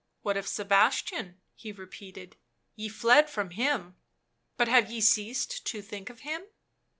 " What of Sebastian?" he repeated. " Ye fled from him, but have ye ceased to think of him?"